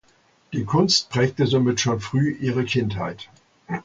Die Kunst prägte somit schon früh ihre Kindheit.